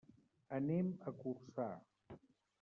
Anem a Corçà.